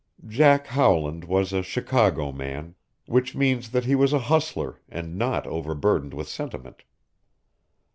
Jack Howland was a Chicago man, which means that he was a hustler, and not overburdened with sentiment.